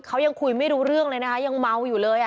เขายังคุยไม่รู้เรื่องเลยนะคะยังเมาอยู่เลย